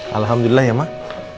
alhamdulillah ya mak